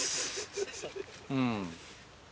うん。